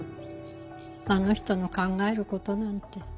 あの人の考える事なんて。